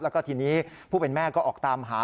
แล้วก็ทีนี้ผู้เป็นแม่ก็ออกตามหา